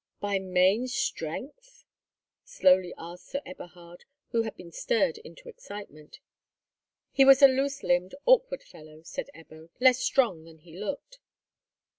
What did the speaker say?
"By main strength?" slowly asked Sir Eberhard, who had been stirred into excitement. "He was a loose limbed, awkward fellow," said Ebbo, "less strong than he looked."